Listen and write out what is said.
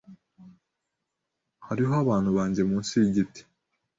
Hariho abahungu bamwe munsi yigiti.